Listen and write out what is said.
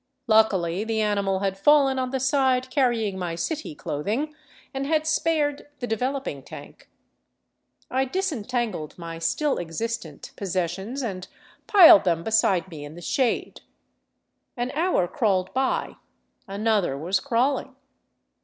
Luckily the animal had fallen on the side carrying my " city " clothing, and had spared the developing tank. I disentangled my still existent pos sessions and piled them beside me in the shade. An hour crawled by; another was crawling.